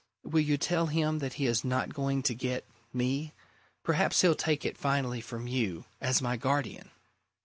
will you tell him that he is not going to get me? Perhaps he'll take it finally from you as my guardian."